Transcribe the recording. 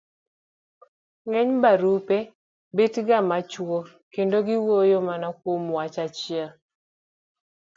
ng'eny barupe bet ga machuok kendo giwuoyo mana kuom wach achiel.